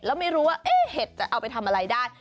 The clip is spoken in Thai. แล้วไม่รู้ว่าเห็ดจะเอาไปทำอะไรได้